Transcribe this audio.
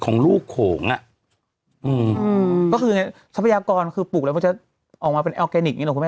ก็คือไงทรัพยากรคือปลูกเลยจะออกมาเป็นออร์แกนิคเนี่ยเหรอพี่แม่